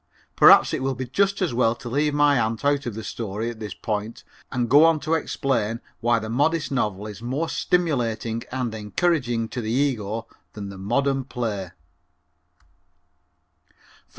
Perhaps it will be just as well to leave my aunt out of the story at this point and go on to explain why the modern novel is more stimulating and encouraging to the ego than the modern play.